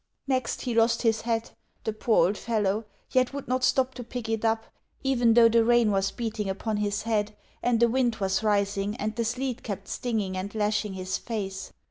Next he lost his hat, the poor old fellow, yet would not stop to pick it up, even though the rain was beating upon his head, and a wind was rising and the sleet kept stinging and lashing his face.